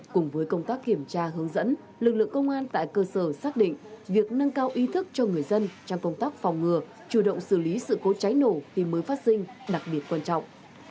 cùng với công tác kiểm tra hướng dẫn lực lượng công an tại cơ sở xác định việc nâng cao ý thức cho người dân trong công tác phòng ngừa chủ động xử lý sự cố cháy nổ khi mới phát sinh đặc biệt quan trọng